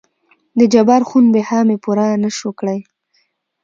دجبار خون بها مې پوره نه شوى کړى.